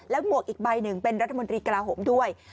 หมวกอีกใบหนึ่งเป็นรัฐมนตรีกลาโหมด้วย